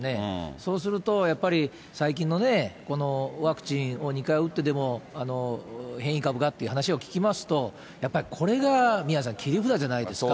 そうするとやっぱり、最近のね、このワクチンを２回打ってでも変異株がって話を聞きますと、やっぱりこれが宮根さん、切り札じゃないですか。